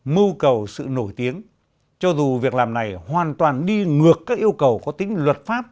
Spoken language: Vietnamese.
mưu cầu sự nổi tiếng cho dù việc làm này hoàn toàn đi ngược các yêu cầu có tính luật pháp